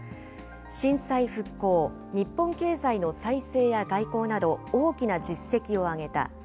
震災復興、日本経済の再生や外交など、大きな実績を上げた。